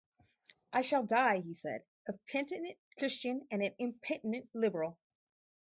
"I shall die," he said, "a penitent Christian and an impenitent Liberal".